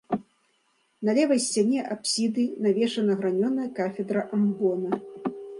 На левай сцяне апсіды навешана гранёная кафедра амбона.